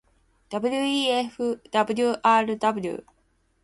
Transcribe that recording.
wefwrw